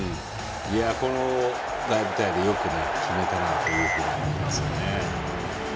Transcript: この大舞台でよく決めたなと思いますね。